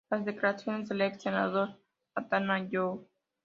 Las declaraciones del ex senador a Tata Young.